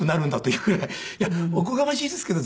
いやおこがましいですけど。